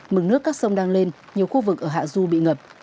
mực nước các sông đang lên nhiều khu vực ở hạ du bị ngập